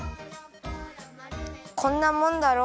こんなもんだろう。